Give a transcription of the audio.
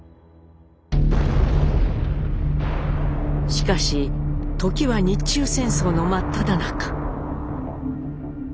しかし時は日中戦争の真っただ中。